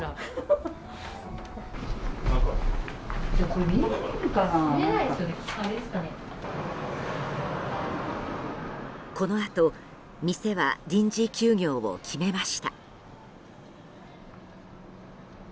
このあと店は臨時休業を決めました。